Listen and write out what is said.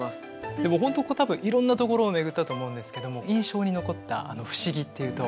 でも本当こう多分いろんなところを巡ったと思うんですけども印象に残った不思議っていうと？